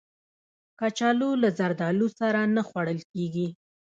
کچالو له زردالو سره نه خوړل کېږي